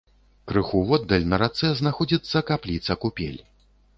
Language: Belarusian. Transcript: Крыху воддаль на рацэ знаходзіцца капліца-купель.